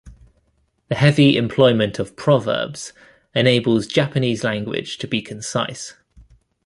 The heavy employment of proverbs enables Japanese language to be concise.